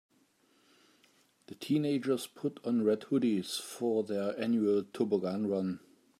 The teenagers put on red hoodies for their annual toboggan run.